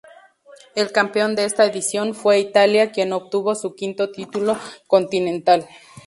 El campeón de esta edición fue Italia quien obtuvo su quinto título continental.